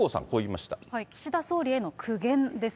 岸田総理への苦言です。